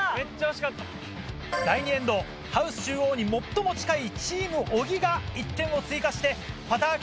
第２エンドハウス中央に最も近いチーム小木が１点を追加してパター